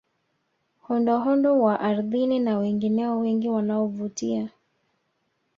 Hondohondo wa ardhini na wengineo wengi wanaovutia